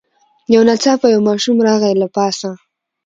یو ناڅاپه یو ماشوم راغی له پاسه